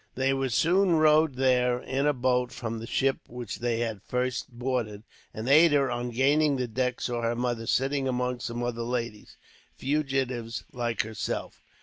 They were soon rowed there, in a boat from the ship which they had first boarded; and Ada, on gaining the deck, saw her mother sitting among some other ladies, fugitives like herself.